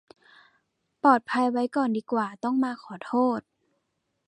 ปลอดภัยไว้ก่อนดีกว่าต้องมาขอโทษ